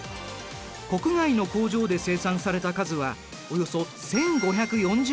国外の工場で生産された数はおよそ１，５４０万台。